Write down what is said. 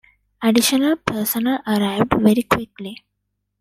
Additional personnel arrived very quickly.